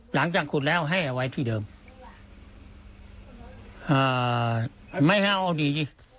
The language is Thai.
หลังจากขุดแล้วให้เอาไว้ที่เดิมอ่าไม่ให้เอาดีสิ